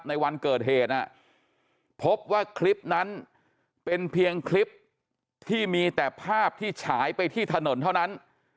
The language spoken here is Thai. ในวันเกิดเหตุพบว่าคลิปนั้นเป็นเพียงคลิปที่มีแต่ภาพที่ฉายไปที่ถนนเท่านั้น